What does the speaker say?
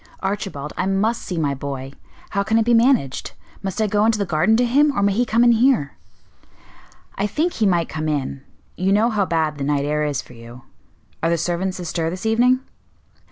"Archibald, I must see my boy; how can it be managed? Must I go into the garden to him, or may he come in here?" "I think he might come in; you know how bad the night air is for you. Are the servants astir this evening?"